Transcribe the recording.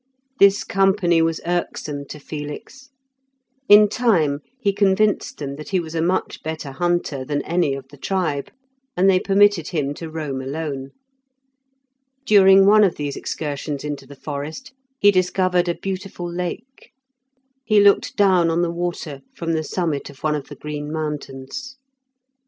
This company was irksome to Felix. In time he convinced them that he was a much better hunter than any of the tribe, and they permitted him to roam alone. During one of these excursions into the forest he discovered a beautiful lake. He looked down on the water from the summit of one of the green mountains.